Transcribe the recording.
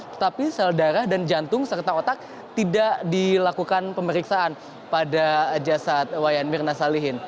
tetapi sel darah dan jantung serta otak tidak dilakukan pemeriksaan pada jasad wayan mirna salihin